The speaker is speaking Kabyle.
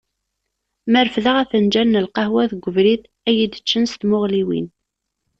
Ma refdeɣ afenǧal n lqahwa deg ubrid ad iyi-d-ččen s tmuɣliwin.